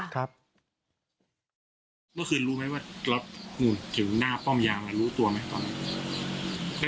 เมื่อคืนรู้ไหมว่ากรับก่างหน้าป้อมยามารู้ตัวไหมตอนนี้ใช่